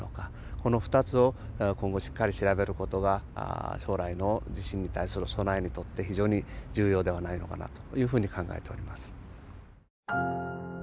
この２つを今後しっかり調べることが将来の地震に対する備えにとって非常に重要ではないのかなと考えております。